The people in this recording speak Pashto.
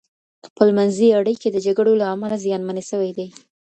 خپلمنځي اړيکي د جګړو له امله زیانمنې سوي دي.